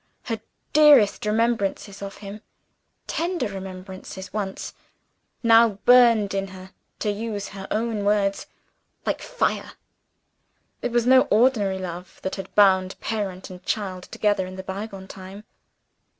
Her dearest remembrances of him tender remembrances once now burned in her (to use her own words) like fire. It was no ordinary love that had bound parent and child together in the bygone time.